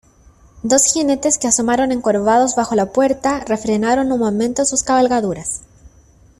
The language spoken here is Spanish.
dos jinetes que asomaron encorvados bajo la puerta, refrenaron un momento sus cabalgaduras ,